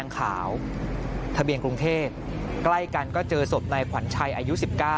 กล้ายกันก็เจอสดในขวัญชัยอายุ๑๙